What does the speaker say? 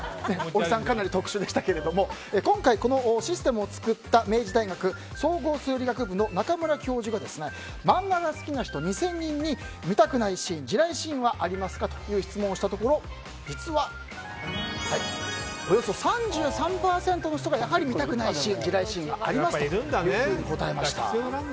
小木さんはかなり特殊でしたけど今回、このシステムを作った明治大学総合数理学部の中村教授が漫画が好きな人２０００人に見たくないシーン、地雷シーンはありますかと質問したところ実は、およそ３３％の人が見たくないシーン、地雷シーンはありますというふうに答えました。